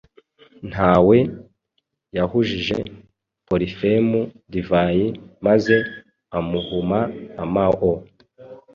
Ntawe," yahujije Polifemu divayi maze amuhuma amao